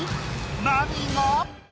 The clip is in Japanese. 何が？